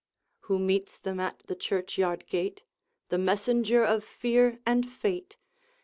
Who meets them at the churchyard gate? The messenger of fear and fate!